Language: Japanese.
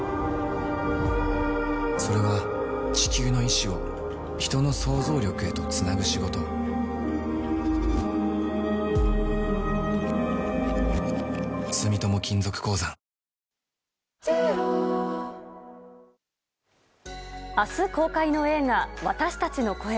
それは地球の意志を人の想像力へとつなぐ仕事住友金属鉱山明日公開の映画「私たちの声」。